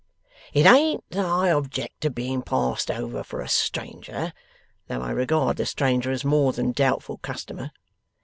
It ain't that I object to being passed over for a stranger, though I regard the stranger as a more than doubtful customer.